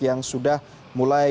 yang sudah mulai